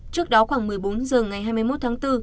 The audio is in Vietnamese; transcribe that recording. trước đó khoảng một mươi bốn h ngày hai mươi một tháng bốn